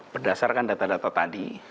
berdasarkan data data tadi